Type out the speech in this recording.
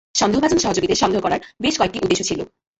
সন্দেহভাজন সহযোগীদের সন্দেহ করার বেশ কয়েকটি উদ্দেশ্য ছিল।